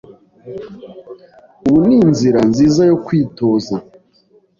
Ubu ni inzira nziza yo kwitoza.